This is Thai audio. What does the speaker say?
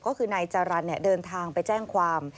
ก็คือนายจารันเดินทางไปแจ้งความ